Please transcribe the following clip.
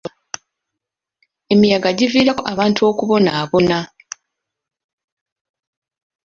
Emiyaga giviirako abantu okubonaabona.